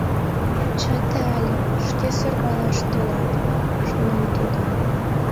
«Чыте але, шке сӧрвалаш толат, — шонен тудо.